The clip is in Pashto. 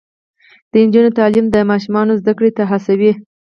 د نجونو تعلیم د ماشومانو زدکړې ته هڅوي.